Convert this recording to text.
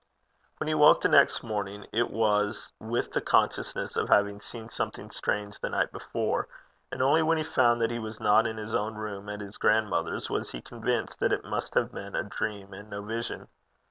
When he woke the next morning, it was with the consciousness of having seen something strange the night before, and only when he found that he was not in his own room at his grandmother's, was he convinced that it must have been a dream and no vision.